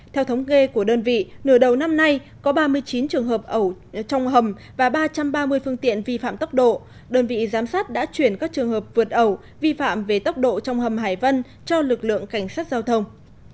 theo thống kê của đơn vị nửa đầu năm nay có ba mươi chín trường hợp ẩu trong hầm và ba trăm ba mươi phương tiện vi phạm tốc độ đơn vị giám sát đã chuyển các trường hợp vượt ẩu vi phạm về tốc độ trong hầm hải vân cho lực lượng cảnh sát giao thông